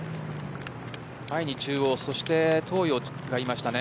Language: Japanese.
前に中央東洋がいましたね。